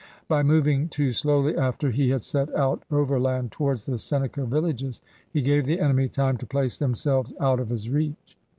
By moving too slowly after he had set out overland towards the Seneca villages, he gave the enemy time to place themselves out of his reach.